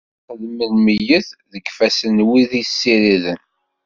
D acu ara yexdem lmeyyet deg ifassen n wi t-yessiriden!